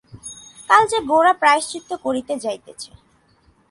কাল যে গোরা প্রায়শ্চিত্ত করিতে যাইতেছে।